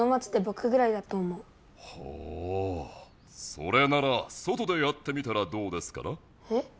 それなら外でやってみたらどうですかな？え？